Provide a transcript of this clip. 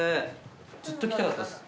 ずっと来たかったです。